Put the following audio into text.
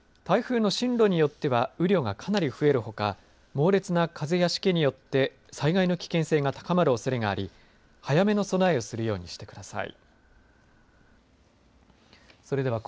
台風の進路によっては雨量がかなり増えるほか猛烈な風やしけによって災害の危険性が高まるおそれがあり早めの備えをするようにしてください。